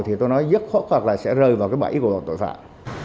thì tôi nói dứt khoát là sẽ rơi vào bẫy của bọn tội phạm